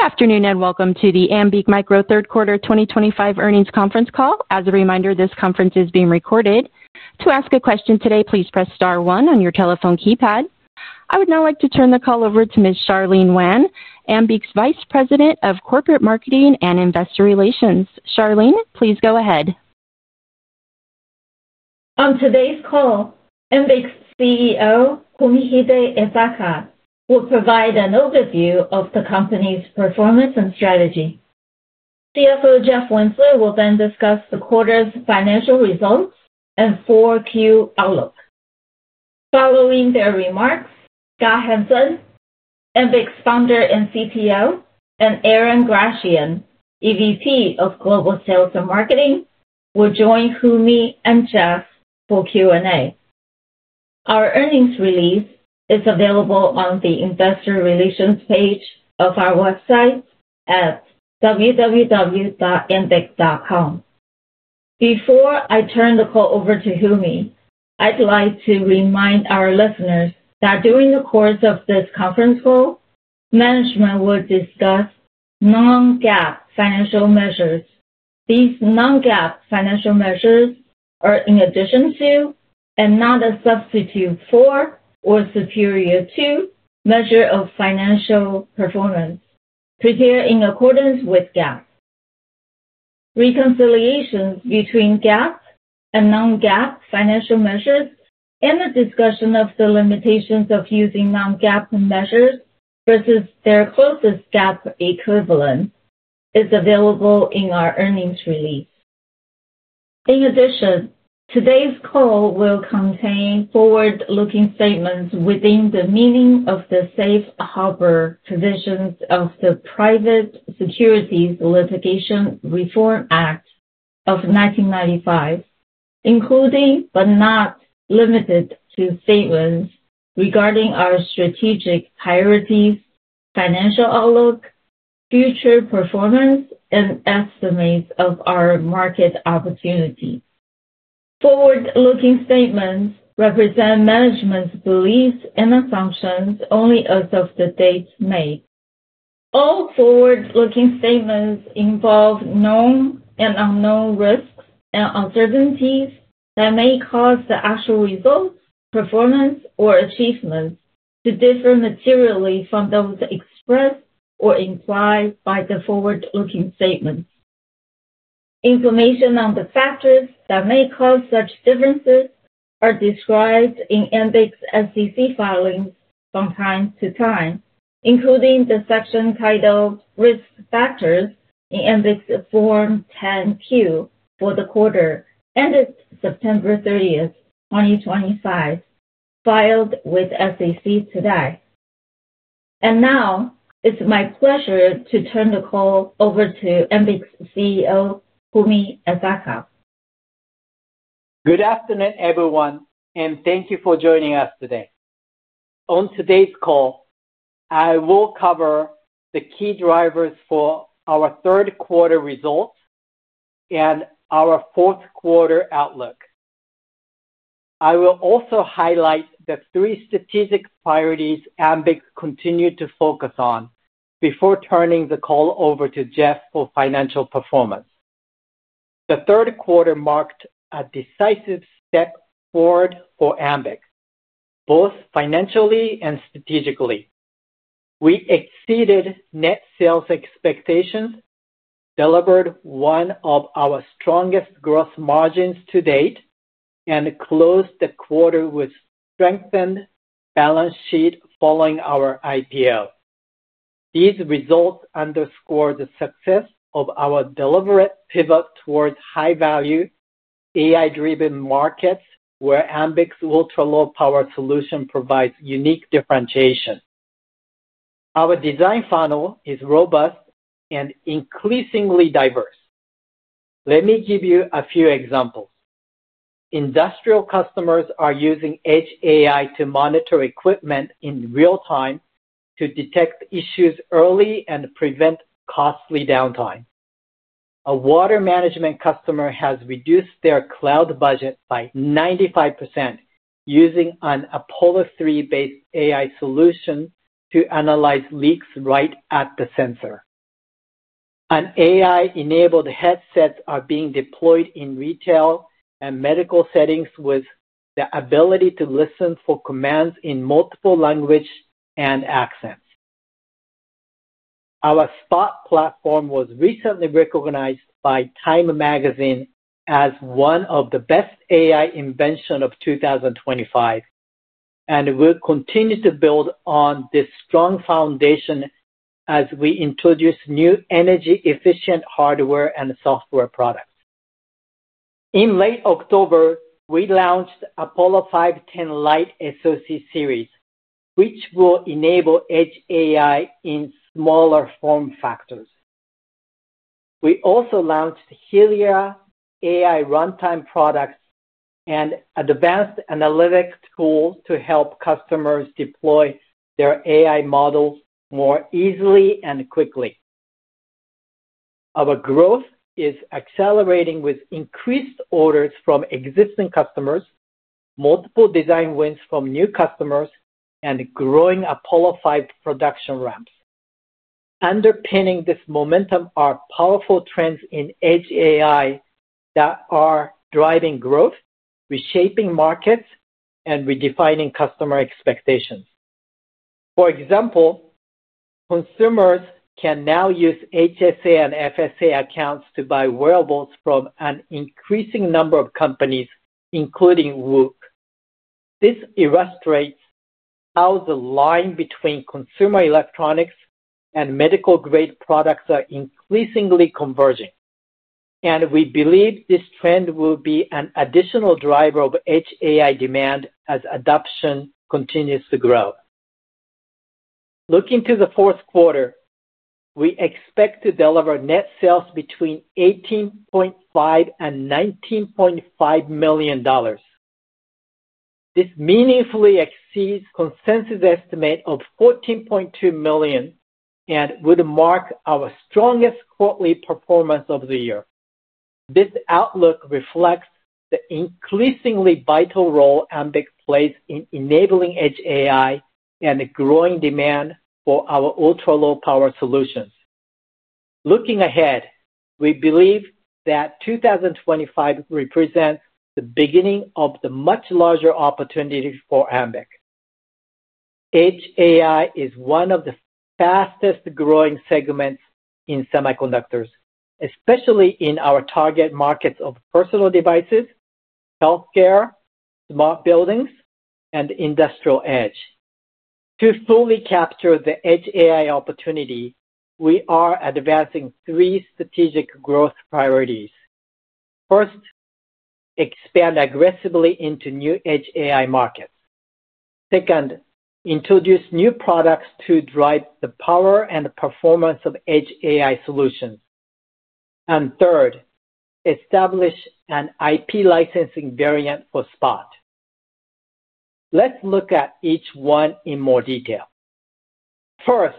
Good afternoon and welcome to the Ambiq Micro Third Quarter 2025 Earnings Conference Call. As a reminder, this conference is being recorded. To ask a question today, please press star one on your telephone keypad. I would now like to turn the call over to Ms. Charlene Wan, Ambiq's Vice President of Corporate Marketing and Investor Relations. Charlene, please go ahead. On today's call, Ambiq's CEO, Fumihide Esaka, will provide an overview of the company's performance and strategy. CFO, Jeff Winzeler, will then discuss the quarter's financial results and four-Q outlook. Following their remarks, Scott Hansen, Ambiq's Founder and CTO, and Aaron Grassian, EVP of Global Sales and Marketing, will join Fumi and Jeff for Q and A. Our earnings release is available on the Investor Relations page of our website at www.ambiq.com. Before I turn the call over to Fumi, I'd like to remind our listeners that during the course of this conference call, management will discuss Non-GAAP financial measures. These Non-GAAP financial measures are in addition to and not a substitute for or superior to measures of financial performance prepared in accordance with GAAP. Reconciliations between GAAP and Non-GAAP financial measures and a discussion of the limitations of using Non-GAAP measures versus their closest GAAP equivalent is available in our earnings release. In addition, today's call will contain forward-looking statements within the meaning of the safe harbor provisions of the Private Securities Litigation Reform Act of 1995. Including but not limited to statements regarding our strategic priorities, financial outlook, future performance, and estimates of our market opportunity. Forward-looking statements represent management's beliefs and assumptions only as of the dates made. All forward-looking statements involve known and unknown risks and uncertainties that may cause the actual results, performance, or achievements to differ materially from those expressed or implied by the forward-looking statements. Information on the factors that may cause such differences are described in Ambiq's SEC filings from time to time, including the section titled Risk Factors in Ambiq's Form 10-Q for the quarter ended September 30, 2025. Filed with SEC today. It is my pleasure to turn the call over to Ambiq's CEO, Fumi Esaka. Good afternoon, everyone, and thank you for joining us today. On today's call, I will cover the key drivers for our third quarter results and our fourth quarter outlook. I will also highlight the three strategic priorities Ambiq continued to focus on before turning the call over to Jeff for financial performance. The third quarter marked a decisive step forward for Ambiq, both financially and strategically. We exceeded net sales expectations, delivered one of our strongest gross margins to date, and closed the quarter with strengthened balance sheets following our IPO. These results underscore the success of our deliberate pivot towards high-value, AI-driven markets where Ambiq's ultra-low-power solution provides unique differentiation. Our design funnel is robust and increasingly diverse. Let me give you a few examples. Industrial customers are using edge AI to monitor equipment in real time to detect issues early and prevent costly downtime. A water management customer has reduced their cloud budget by 95% using an Apollo 3-based AI solution to analyze leaks right at the sensor. AI-enabled headsets are being deployed in retail and medical settings with the ability to listen for commands in multiple languages and accents. Our Spot platform was recently recognized by Time Magazine as one of the best AI inventions of 2025. We will continue to build on this strong foundation as we introduce new energy-efficient hardware and software products. In late October, we launched Apollo510 Lite SoC Series, which will enable edge AI in smaller form factors. We also launched Helio AI Runtime products and advanced analytics tools to help customers deploy their AI models more easily and quickly. Our growth is accelerating with increased orders from existing customers, multiple design wins from new customers, and growing Apollo 5 production ramps. Underpinning this momentum are powerful trends in edge AI that are driving growth, reshaping markets, and redefining customer expectations. For example, consumers can now use HSA and FSA accounts to buy wearables from an increasing number of companies, including Wook. This illustrates how the line between consumer electronics and medical-grade products is increasingly converging. We believe this trend will be an additional driver of edge AI demand as adoption continues to grow. Looking to the fourth quarter, we expect to deliver net sales between $18.5 and $19.5 million. This meaningfully exceeds the consensus estimate of $14.2 million and would mark our strongest quarterly performance of the year. This outlook reflects the increasingly vital role Ambiq plays in enabling edge AI and the growing demand for our ultra-low-power solutions. Looking ahead, we believe that 2025 represents the beginning of the much larger opportunity for Ambiq. Edge AI is one of the fastest-growing segments in semiconductors, especially in our target markets of personal devices, healthcare, smart buildings, and industrial edge. To fully capture the edge AI opportunity, we are advancing three strategic growth priorities. First, expand aggressively into new edge AI markets. Second, introduce new products to drive the power and performance of edge AI solutions. And third, establish an IP licensing variant for Spot. Let's look at each one in more detail. First,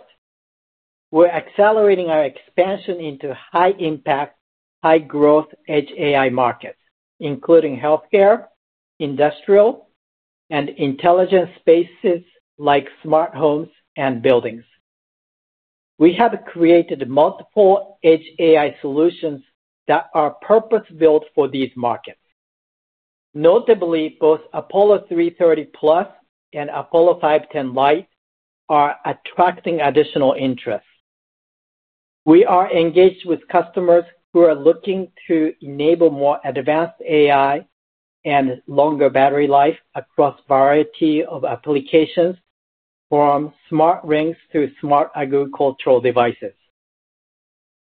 we're accelerating our expansion into high-impact, high-growth edge AI markets, including healthcare, industrial, and intelligence spaces like smart homes and buildings. We have created multiple edge AI solutions that are purpose-built for these markets. Notably, both Apollo 330 Plus and Apollo 510 Lite are attracting additional interest. We are engaged with customers who are looking to enable more advanced AI and longer battery life across a variety of applications. From smart rings to smart agricultural devices.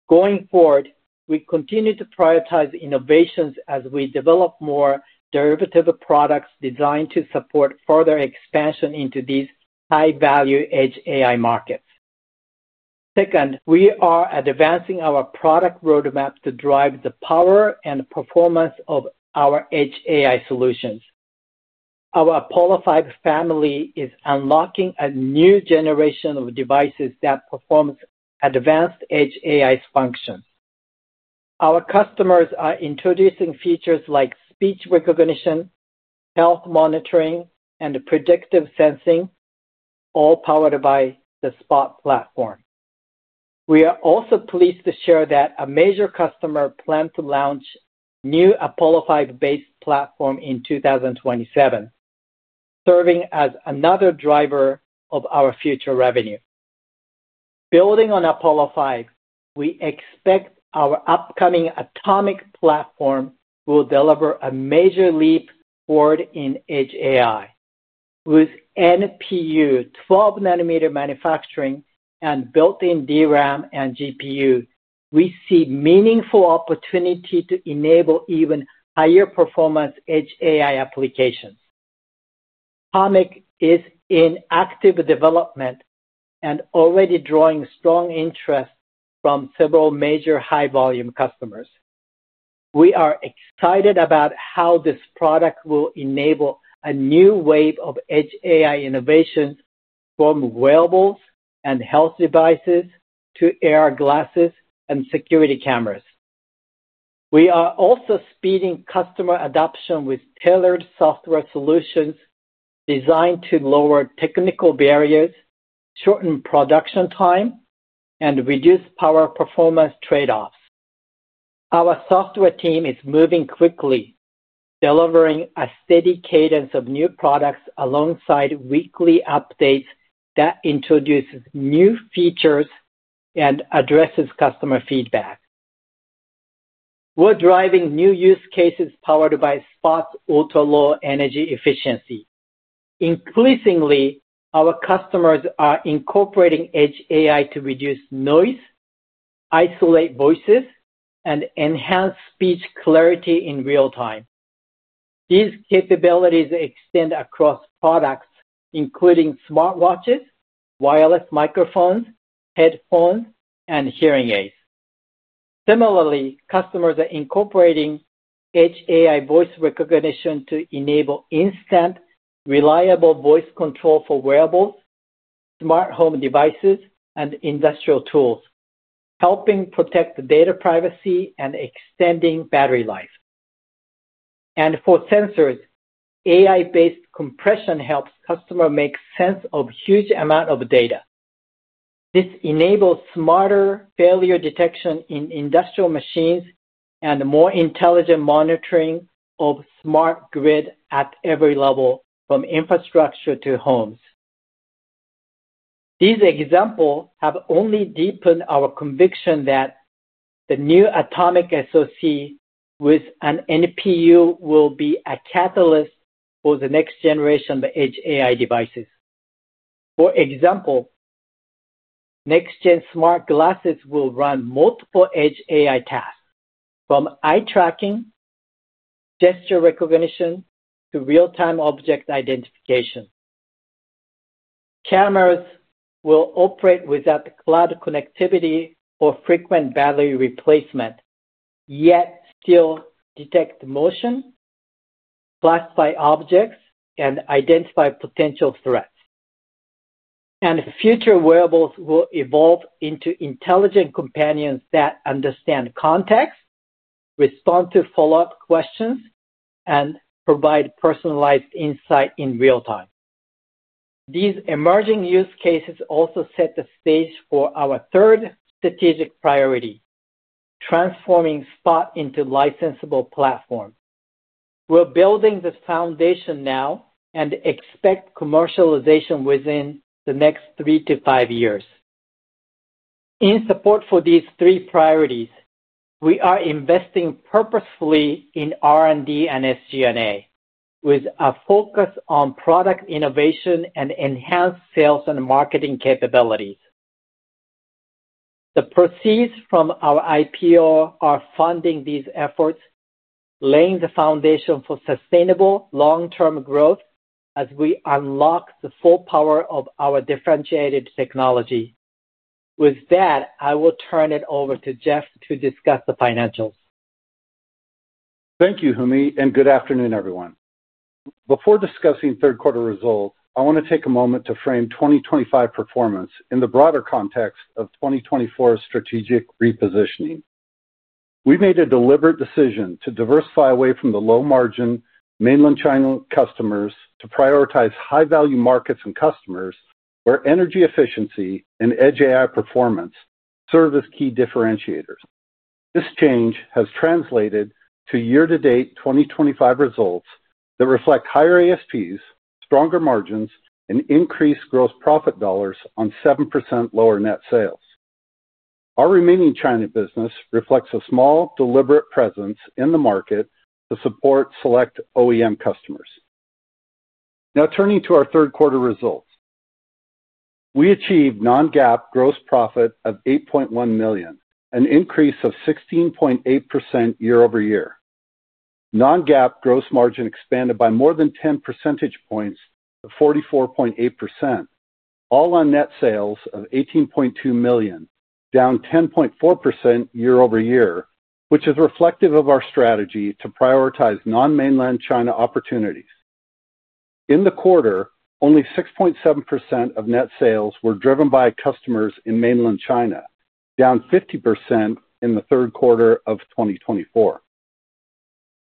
Going forward, we continue to prioritize innovations as we develop more derivative products designed to support further expansion into these high-value edge AI markets. Second, we are advancing our product roadmap to drive the power and performance of our edge AI solutions. Our Apollo 5 family is unlocking a new generation of devices that perform advanced edge AI functions. Our customers are introducing features like speech recognition, health monitoring, and predictive sensing. All powered by the Spot platform. We are also pleased to share that a major customer plans to launch a new Apollo 5-based platform in 2027. Serving as another driver of our future revenue. Building on Apollo 5, we expect our upcoming Atomic platform will deliver a major leap forward in edge AI. With NPU, 12-nanometer manufacturing, and built-in DRAM and GPU, we see meaningful opportunity to enable even higher-performance edge AI applications. Atomic is in active development and already drawing strong interest from several major high-volume customers. We are excited about how this product will enable a new wave of edge AI innovations from wearables and health devices to AR glasses and security cameras. We are also speeding customer adoption with tailored software solutions designed to lower technical barriers, shorten production time, and reduce power performance trade-offs. Our software team is moving quickly, delivering a steady cadence of new products alongside weekly updates that introduce new features and address customer feedback. We're driving new use cases powered by Spot's ultra-low energy efficiency. Increasingly, our customers are incorporating edge AI to reduce noise, isolate voices, and enhance speech clarity in real time. These capabilities extend across products, including smartwatches, wireless microphones, headphones, and hearing aids. Similarly, customers are incorporating edge AI voice recognition to enable instant, reliable voice control for wearables, smart home devices, and industrial tools, helping protect data privacy and extending battery life. For sensors, AI-based compression helps customers make sense of a huge amount of data. This enables smarter failure detection in industrial machines and more intelligent monitoring of smart grid at every level, from infrastructure to homes. These examples have only deepened our conviction that the new Atomic SOC with an NPU will be a catalyst for the next generation of edge AI devices. For example, next-gen smart glasses will run multiple edge AI tasks, from eye tracking, gesture recognition to real-time object identification. Cameras will operate without cloud connectivity or frequent battery replacement, yet still detect motion, classify objects, and identify potential threats. Future wearables will evolve into intelligent companions that understand context, respond to follow-up questions, and provide personalized insight in real time. These emerging use cases also set the stage for our third strategic priority: transforming Spot into a licensable platform. We're building the foundation now and expect commercialization within the next three to five years. In support of these three priorities, we are investing purposefully in R&D and SG&A, with a focus on product innovation and enhanced sales and marketing capabilities. The proceeds from our IPO are funding these efforts, laying the foundation for sustainable long-term growth as we unlock the full power of our differentiated technology. With that, I will turn it over to Jeff to discuss the financials. Thank you, Fumi, and good afternoon, everyone. Before discussing third-quarter results, I want to take a moment to frame 2025 performance in the broader context of 2024's strategic repositioning. We made a deliberate decision to diversify away from the low-margin mainland China customers to prioritize high-value markets and customers where energy efficiency and edge AI performance serve as key differentiators. This change has translated to year-to-date 2025 results that reflect higher ASPs, stronger margins, and increased gross profit dollars on 7% lower net sales. Our remaining China business reflects a small, deliberate presence in the market to support select OEM customers. Now, turning to our third-quarter results. We achieved non-GAAP gross profit of $8.1 million, an increase of 16.8% year-over-year. Non-GAAP gross margin expanded by more than 10 percentage points to 44.8%. All on net sales of $18.2 million, down 10.4% year-over-year, which is reflective of our strategy to prioritize non-mainland China opportunities. In the quarter, only 6.7% of net sales were driven by customers in mainland China, down 50% in the third quarter of 2024.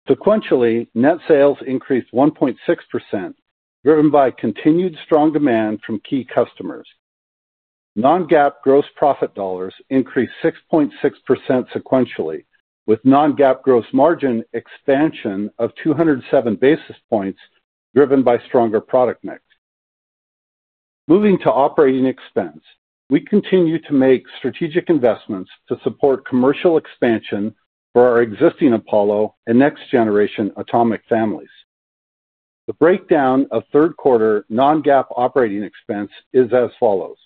Sequentially, net sales increased 1.6%, driven by continued strong demand from key customers. Non-GAAP gross profit dollars increased 6.6% sequentially, with non-GAAP gross margin expansion of 207 basis points driven by stronger product mix. Moving to operating expense, we continue to make strategic investments to support commercial expansion for our existing Apollo and next-generation Atomic families. The breakdown of third-quarter non-GAAP operating expense is as follows.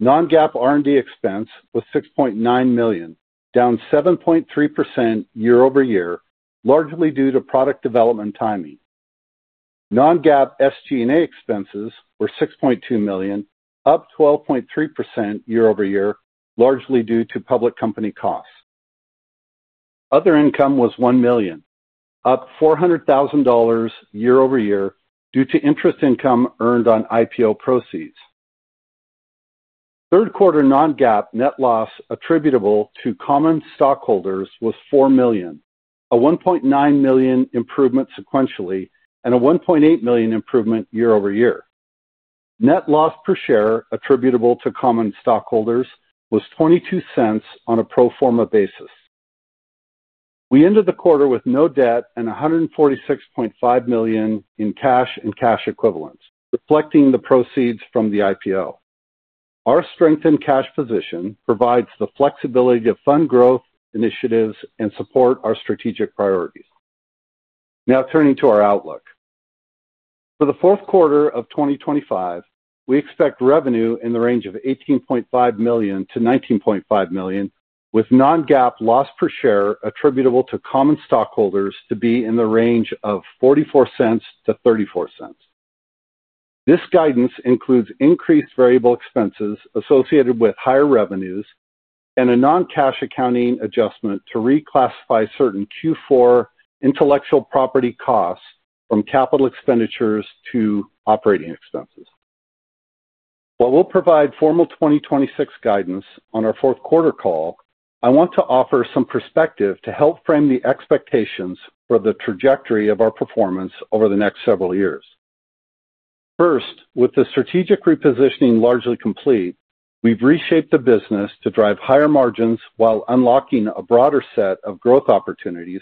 Non-GAAP R&D expense was $6.9 million, down 7.3% year-over-year, largely due to product development timing. Non-GAAP SG&A expenses were $6.2 million, up 12.3% year-over-year, largely due to public company costs. Other income was $1 million, up $400,000 year-over-year due to interest income earned on IPO proceeds. Third-quarter non-GAAP net loss attributable to common stockholders was $4 million, a $1.9 million improvement sequentially, and a $1.8 million improvement year-over-year. Net loss per share attributable to common stockholders was $0.22 on a pro forma basis. We ended the quarter with no debt and $146.5 million in cash and cash equivalents, reflecting the proceeds from the IPO. Our strengthened cash position provides the flexibility to fund growth initiatives and supports our strategic priorities. Now, turning to our outlook. For the fourth quarter of 2025, we expect revenue in the range of $18.5 million to $19.5 million, with non-GAAP loss per share attributable to common stockholders to be in the range of $0.44 to $0.34. This guidance includes increased variable expenses associated with higher revenues and a non-cash accounting adjustment to reclassify certain Q4 intellectual property costs from capital expenditures to operating expenses. While we'll provide formal 2026 guidance on our fourth-quarter call, I want to offer some perspective to help frame the expectations for the trajectory of our performance over the next several years. First, with the strategic repositioning largely complete, we've reshaped the business to drive higher margins while unlocking a broader set of growth opportunities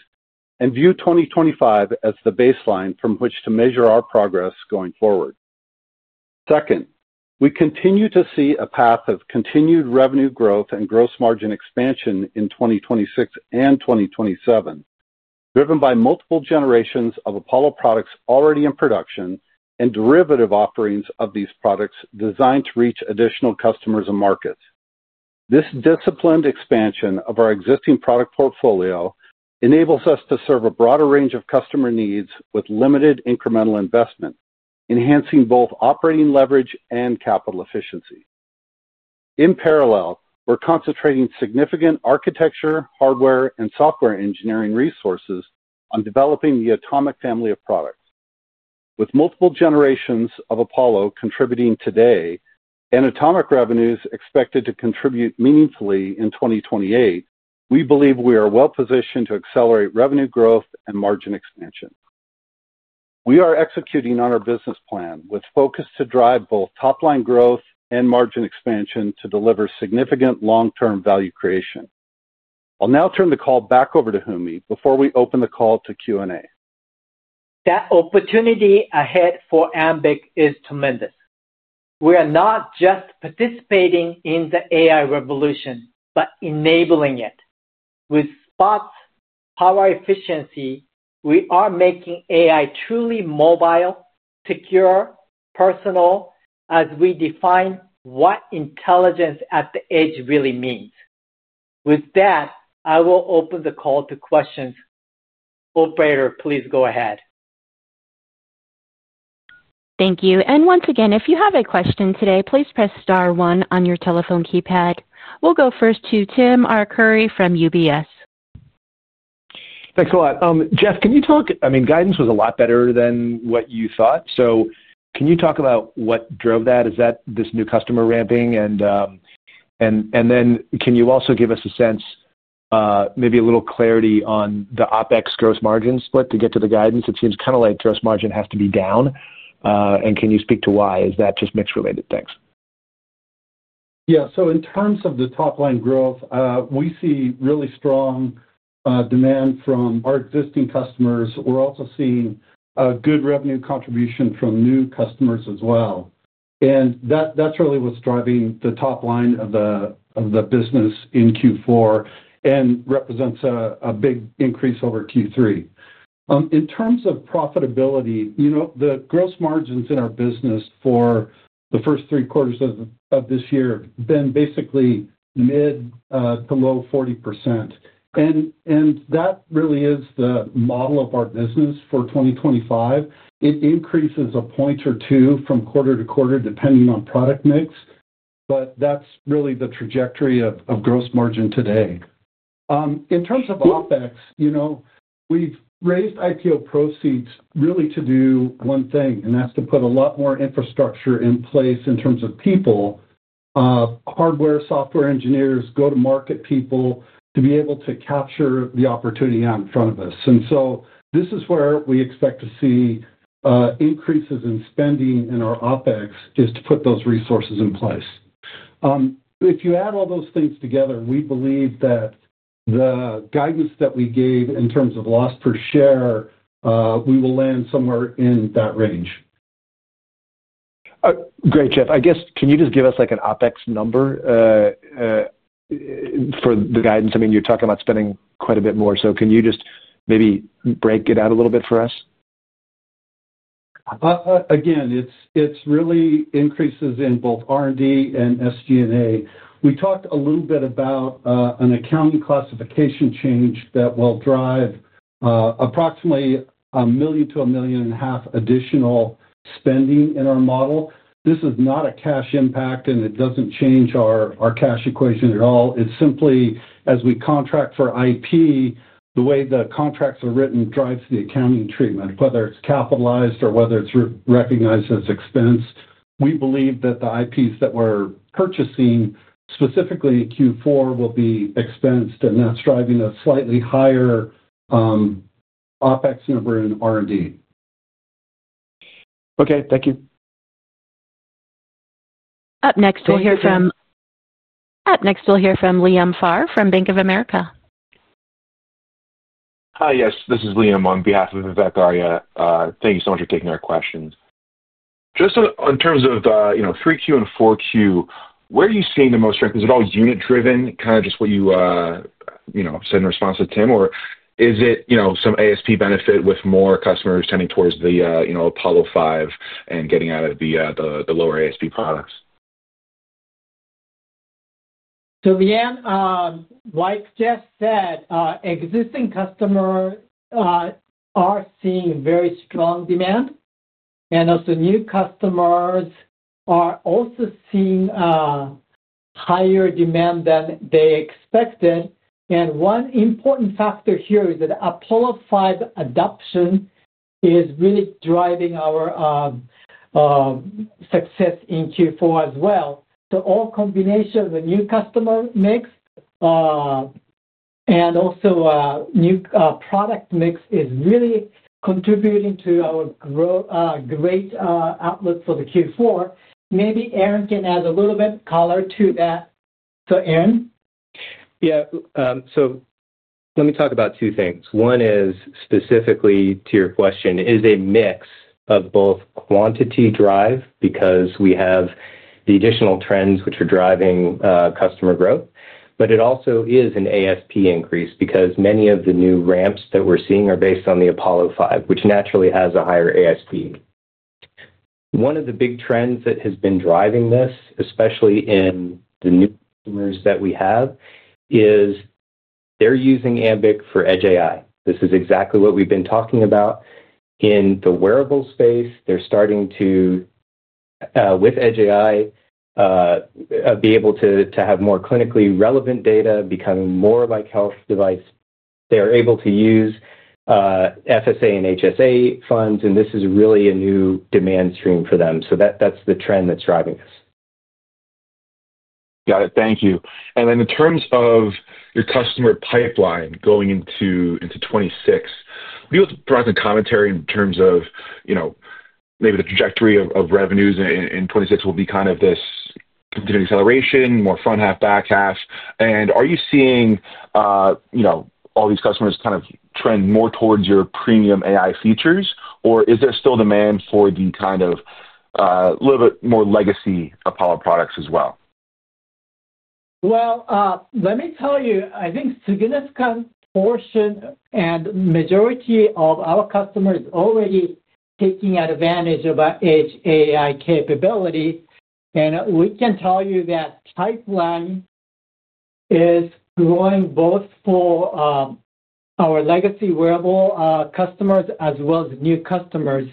and view 2025 as the baseline from which to measure our progress going forward. Second, we continue to see a path of continued revenue growth and gross margin expansion in 2026 and 2027, driven by multiple generations of Apollo products already in production and derivative offerings of these products designed to reach additional customers and markets. This disciplined expansion of our existing product portfolio enables us to serve a broader range of customer needs with limited incremental investment, enhancing both operating leverage and capital efficiency. In parallel, we're concentrating significant architecture, hardware, and software engineering resources on developing the Atomic family of products. With multiple generations of Apollo contributing today and Atomic revenues expected to contribute meaningfully in 2028, we believe we are well-positioned to accelerate revenue growth and margin expansion. We are executing on our business plan with focus to drive both top-line growth and margin expansion to deliver significant long-term value creation. I'll now turn the call back over to Fumi before we open the call to Q and A. That opportunity ahead for Ambiq is tremendous. We are not just participating in the AI revolution, but enabling it. With Spot's power efficiency, we are making AI truly mobile, secure, personal, as we define what intelligence at the edge really means. With that, I will open the call to questions. Operator, please go ahead. Thank you. Once again, if you have a question today, please press star one on your telephone keypad. We'll go first to Timothy Arcuri from UBS. Thanks a lot. Jeff, can you talk—I mean, guidance was a lot better than what you thought. Can you talk about what drove that? Is that this new customer ramping? Then can you also give us a sense, maybe a little clarity on the OpEx gross margin split to get to the guidance? It seems kind of like gross margin has to be down. Can you speak to why? Is that just mixed-related things? Yeah. In terms of the top-line growth, we see really strong demand from our existing customers. We're also seeing a good revenue contribution from new customers as well. That's really what's driving the top line of the business in Q4 and represents a big increase over Q3. In terms of profitability, the gross margins in our business for the first three quarters of this year have been basically mid to low 40%. That really is the model of our business for 2025. It increases a point or two from quarter to quarter, depending on product mix. That's really the trajectory of gross margin today. In terms of OpEx, we've raised IPO proceeds really to do one thing, and that's to put a lot more infrastructure in place in terms of people. Hardware, software engineers, go-to-market people, to be able to capture the opportunity out in front of us. This is where we expect to see increases in spending in our OpEx, to put those resources in place. If you add all those things together, we believe that the guidance that we gave in terms of loss per share, we will land somewhere in that range. Great, Jeff. I guess, can you just give us an OpEx number? For the guidance? I mean, you're talking about spending quite a bit more. So can you just maybe break it out a little bit for us? Again, it really increases in both R&D and SG&A. We talked a little bit about an accounting classification change that will drive approximately $1 million to $1.5 million additional spending in our model. This is not a cash impact, and it does not change our cash equation at all. It is simply, as we contract for IP, the way the contracts are written drives the accounting treatment, whether it is capitalized or whether it is recognized as expense. We believe that the IPs that we are purchasing, specifically Q4, will be expensed, and that is driving a slightly higher OpEx number in R&D. Okay. Thank you. Up next, we'll hear from Liam Pharr from Bank of America. Hi, yes. This is Liam on behalf of Vivek Arya. Thank you so much for taking our questions. Just in terms of 3Q and 4Q, where are you seeing the most strength? Is it all unit-driven, kind of just what you said in response to Tim, or is it some ASP benefit with more customers tending towards the Apollo 5 and getting out of the lower ASP products? Liam, like Jeff said, existing customers are seeing very strong demand. Also, new customers are seeing higher demand than they expected. One important factor here is that Apollo 5 adoption is really driving our success in Q4 as well. All combinations, the new customer mix and also new product mix, are really contributing to our great outlook for Q4. Maybe Aaron can add a little bit of color to that. Aaron. Yeah. Let me talk about two things. One is, specifically to your question, is a mix of both quantity drive because we have the additional trends which are driving customer growth, but it also is an ASP increase because many of the new ramps that we're seeing are based on the Apollo 5, which naturally has a higher ASP. One of the big trends that has been driving this, especially in the new customers that we have, is they're using Ambiq for edge AI. This is exactly what we've been talking about. In the wearable space, they're starting to, with edge AI, be able to have more clinically relevant data, becoming more of a health device. They are able to use FSA and HSA funds, and this is really a new demand stream for them. That's the trend that's driving this. Got it. Thank you. In terms of your customer pipeline going into 2026, could you provide some commentary in terms of maybe the trajectory of revenues in 2026? Will it be kind of this continued acceleration, more front half, back half? Are you seeing all these customers kind of trend more towards your premium AI features, or is there still demand for the kind of a little bit more legacy Apollo products as well? I think a significant portion and majority of our customers are already taking advantage of our edge AI capability. We can tell you that pipeline is growing both for our legacy wearable customers as well as new customers.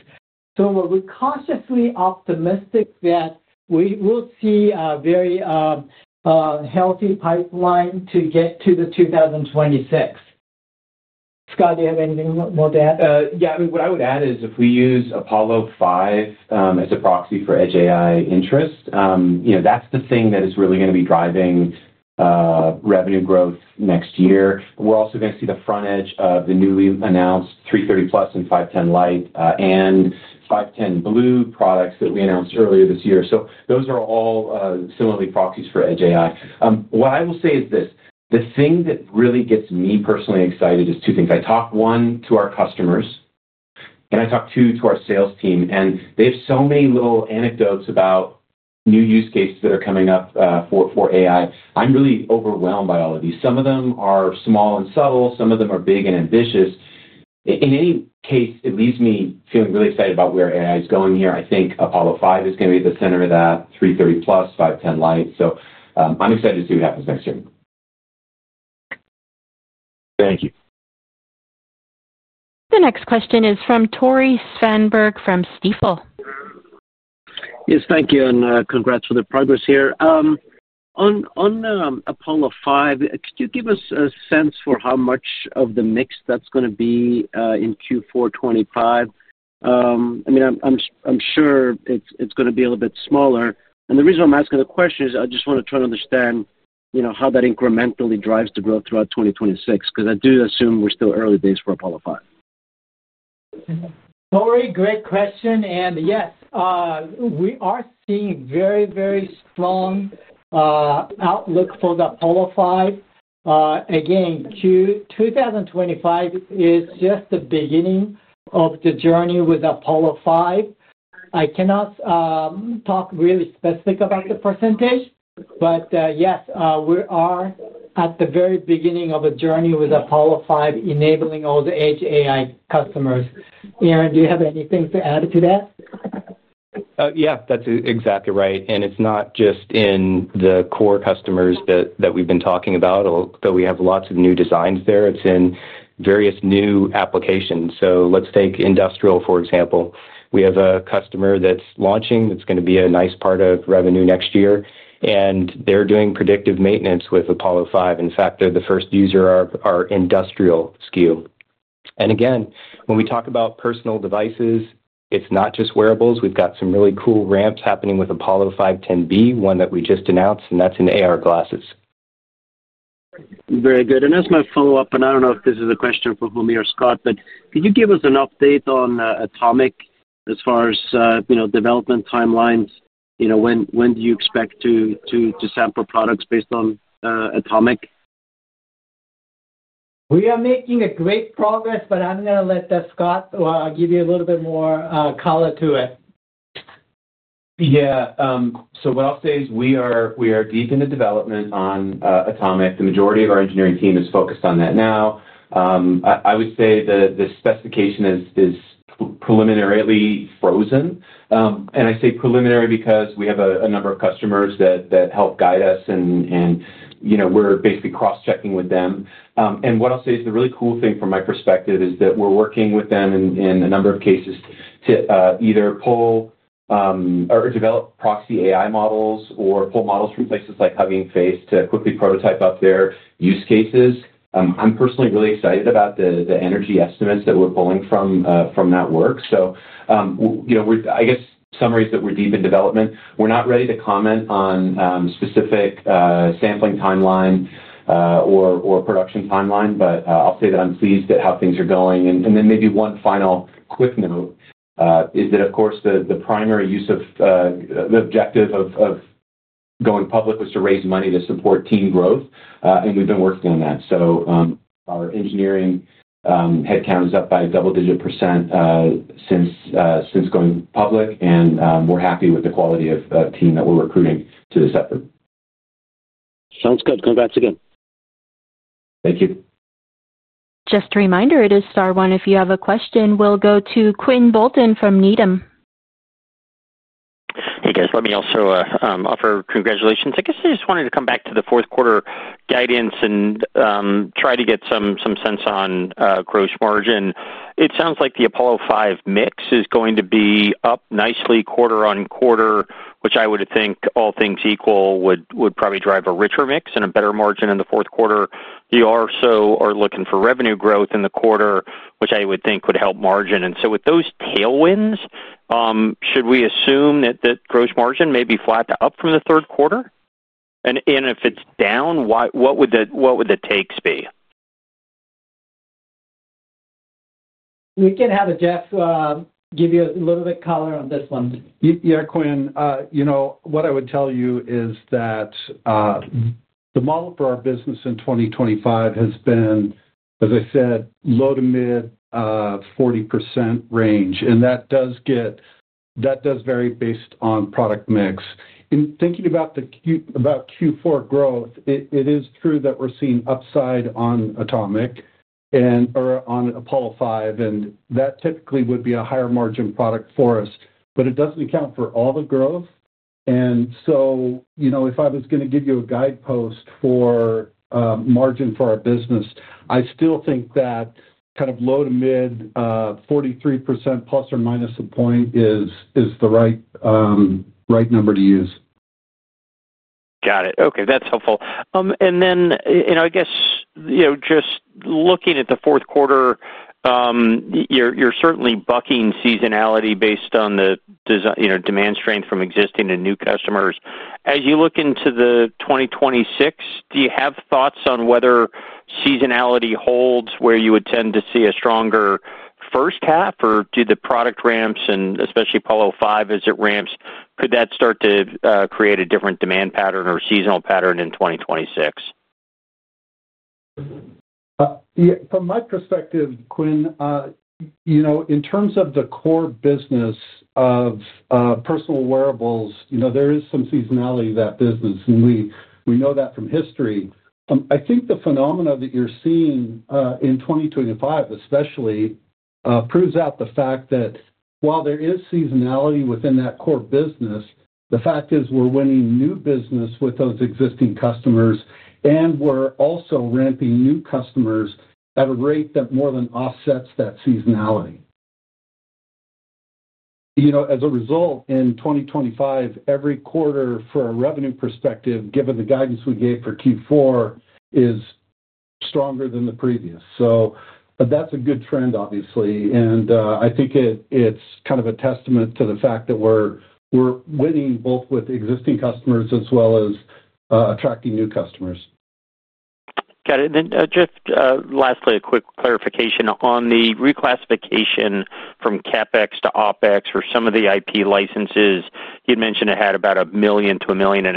We are cautiously optimistic that we will see a very healthy pipeline to get to 2026. Scott, do you have anything more to add? Yeah. I mean, what I would add is if we use Apollo 5 as a proxy for edge AI interest, that's the thing that is really going to be driving revenue growth next year. We're also going to see the front edge of the newly announced 330 Plus and 510 Lite and 510 Blue products that we announced earlier this year. Those are all similarly proxies for edge AI. What I will say is this: the thing that really gets me personally excited is two things. I talk one to our customers, and I talk two to our sales team. They have so many little anecdotes about new use cases that are coming up for AI. I'm really overwhelmed by all of these. Some of them are small and subtle. Some of them are big and ambitious. In any case, it leaves me feeling really excited about where AI is going here. I think Apollo 5 is going to be at the center of that, 330 Plus, 510 Lite. I am excited to see what happens next year. Thank you. The next question is from Tore Svanberg from Stifel. Yes, thank you. Congrats for the progress here. On Apollo 5, could you give us a sense for how much of the mix that's going to be in Q4 2025? I mean, I'm sure it's going to be a little bit smaller. The reason I'm asking the question is I just want to try to understand how that incrementally drives the growth throughout 2026 because I do assume we're still early days for Apollo 5. Tory, great question. Yes, we are seeing very, very strong outlook for the Apollo 5. Again, 2025 is just the beginning of the journey with Apollo 5. I cannot talk really specific about the percentage, but yes, we are at the very beginning of a journey with Apollo 5 enabling all the edge AI customers. Aaron, do you have anything to add to that? Yeah, that's exactly right. It's not just in the core customers that we've been talking about, although we have lots of new designs there. It's in various new applications. Take industrial, for example. We have a customer that's launching. It's going to be a nice part of revenue next year. They're doing predictive maintenance with Apollo 5. In fact, they're the first user of our industrial SKU. When we talk about personal devices, it's not just wearables. We've got some really cool ramps happening with Apollo 510B, one that we just announced, and that's in AR glasses. Very good. As my follow-up, and I do not know if this is a question for Fumi or Scott, but could you give us an update on Atomic as far as development timelines? When do you expect to sample products based on Atomic? We are making great progress, but I am going to let Scott, well, give you a little bit more color to it. Yeah. What I'll say is we are deep in the development on Atomic. The majority of our engineering team is focused on that now. I would say the specification is preliminarily frozen. I say preliminary because we have a number of customers that help guide us, and we're basically cross-checking with them. What I'll say is the really cool thing from my perspective is that we're working with them in a number of cases to either pull or develop proxy AI models or pull models from places like Hugging Face to quickly prototype up their use cases. I'm personally really excited about the energy estimates that we're pulling from that work. I guess, summary is that we're deep in development. We're not ready to comment on specific sampling timeline or production timeline, but I'll say that I'm pleased at how things are going. Maybe one final quick note is that, of course, the primary use of the objective of going public was to raise money to support team growth. We've been working on that. Our engineering headcount is up by a double-digit % since going public, and we're happy with the quality of team that we're recruiting to this effort. Sounds good. Congrats again. Thank you. Just a reminder, it is Star One. If you have a question, we'll go to Quinn Bolton from Needham. Hey, guys. Let me also offer congratulations. I guess I just wanted to come back to the fourth quarter guidance and try to get some sense on gross margin. It sounds like the Apollo 5 mix is going to be up nicely quarter on quarter, which I would think, all things equal, would probably drive a richer mix and a better margin in the fourth quarter. You also are looking for revenue growth in the quarter, which I would think would help margin. With those tailwinds, should we assume that gross margin may be flat to up from the third quarter? If it is down, what would the takes be? We can have Jeff give you a little bit of color on this one. Yeah, Quinn. What I would tell you is that the model for our business in 2025 has been, as I said, low to mid 40% range. And that does vary based on product mix. In thinking about Q4 growth, it is true that we're seeing upside on Apollo 5, and that typically would be a higher margin product for us, but it doesn't account for all the growth. If I was going to give you a guidepost for margin for our business, I still think that kind of low to mid 43% plus or minus a point is the right number to use. Got it. Okay. That's helpful. I guess just looking at the fourth quarter, you're certainly bucking seasonality based on the demand strength from existing and new customers. As you look into 2026, do you have thoughts on whether seasonality holds where you would tend to see a stronger first half, or do the product ramps, and especially Apollo 5 as it ramps, could that start to create a different demand pattern or seasonal pattern in 2026? Yeah. From my perspective, Quinn. In terms of the core business of personal wearables, there is some seasonality to that business, and we know that from history. I think the phenomena that you're seeing in 2025, especially, proves out the fact that while there is seasonality within that core business, the fact is we're winning new business with those existing customers, and we're also ramping new customers at a rate that more than offsets that seasonality. As a result, in 2025, every quarter from a revenue perspective, given the guidance we gave for Q4, is stronger than the previous. That's a good trend, obviously. I think it's kind of a testament to the fact that we're winning both with existing customers as well as attracting new customers. Got it. Lastly, a quick clarification on the reclassification from CapEx to OpEx for some of the IP licenses. You'd mentioned it had about $1 million to $1.5 million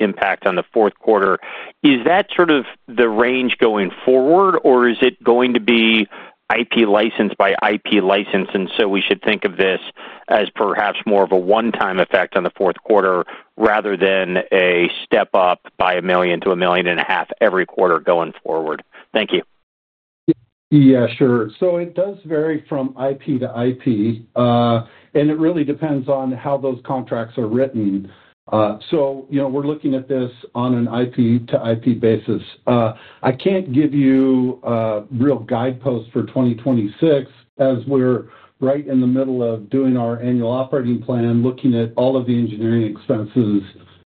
impact on the fourth quarter. Is that sort of the range going forward, or is it going to be IP license by IP license? Should we think of this as perhaps more of a one-time effect on the fourth quarter rather than a step up by $1 million to $1.5 million every quarter going forward? Thank you. Yeah, sure. It does vary from IP to IP. It really depends on how those contracts are written. We are looking at this on an IP to IP basis. I cannot give you real guideposts for 2026 as we are right in the middle of doing our annual operating plan, looking at all of the engineering expenses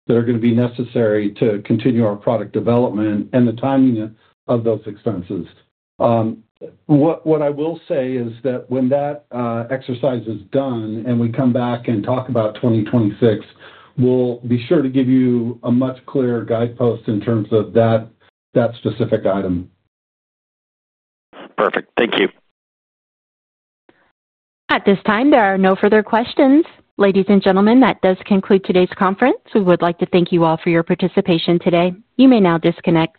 that are going to be necessary to continue our product development and the timing of those expenses. What I will say is that when that exercise is done and we come back and talk about 2026, we will be sure to give you a much clearer guidepost in terms of that specific item. Perfect. Thank you. At this time, there are no further questions. Ladies and gentlemen, that does conclude today's conference. We would like to thank you all for your participation today. You may now disconnect.